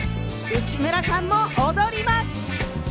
内村さんも踊ります！